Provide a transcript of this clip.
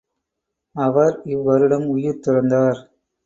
அவர் இவ்வருடம் உயிர் துறந்தார்.